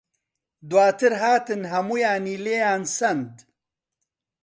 دواتر هاتن هەموویانی لێیان سەند.